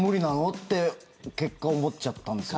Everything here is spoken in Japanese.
って結果、思っちゃったんですよね。